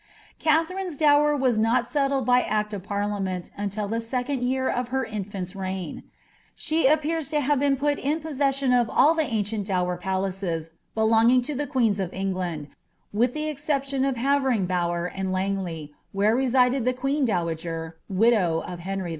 Kaiherine's dower was not settled by Act of Partiameni nntil the w cond year of her infant's reign. She appears to have been pm in po» aession of oil the ancient dower palaces belonging to the qneena of Eo^ bind, Willi the exception of Havering Bower and Lingley, where residffl llie quecn^lo wager, widow lo Henry IV.